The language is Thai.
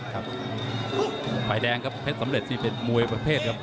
ไข่แดงครับสำเร็จสิเป็นมวยประเภทครับ